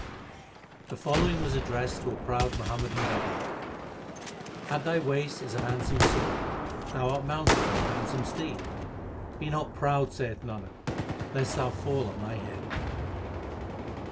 The following was addressed to a proud Muham madan governor : At thy waist is a handsome sword, thou art mounted on a handsome steed : Be not proud, saith Nanak, lest thou fall on thy head.